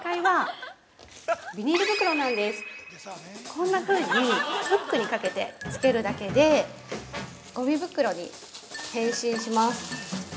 ◆こんなふうに、フックにかけて付けるだけでごみ袋に変身します。